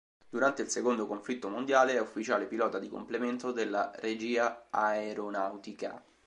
Durante il secondo conflitto mondiale è ufficiale pilota di complemento della Regia Aeronautica.